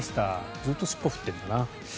ずっと尻尾を振ってるんだな。